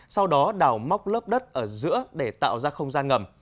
sau đó đào móc lớp đất ở giữa để tạo ra không gian ngầm